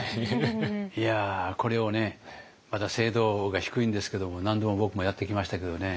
いやこれをねまだ精度が低いんですけども何度も僕もやってきましたけどね。